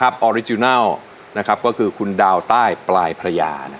โปรดติดตามต่อไป